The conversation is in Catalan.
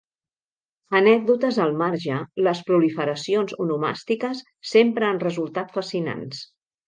Anècdotes al marge, les proliferacions onomàstiques sempre han resultat fascinants.